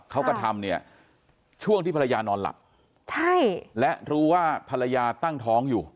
กระทำเนี่ยช่วงที่ภรรยานอนหลับใช่และรู้ว่าภรรยาตั้งท้องอยู่